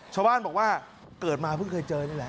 ชาวบ้านบอกว่าเกิดมาเพิ่งเคยเจอนี่แหละ